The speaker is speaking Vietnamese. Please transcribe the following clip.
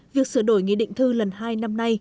việc sửa đổi nghị định thư lần hai năm nay